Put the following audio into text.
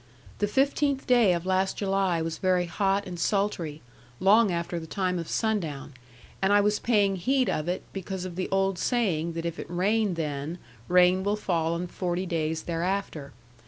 The fifteenth day of last July was very hot and sultry, long after the time of sundown; and I was paying heed of it, because of the old saying that if it rain then, rain will fall on forty days thereafter.